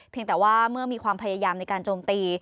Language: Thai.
แต่ว่าเมื่อมีความพยายามในการโจมตี